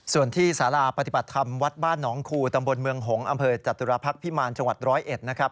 ส่วนที่สาราปฏิบัติธรรมวัดบ้านหนองคูตำบลเมืองหงษ์อำเภอจตุรพักษ์พิมารจังหวัด๑๐๑นะครับ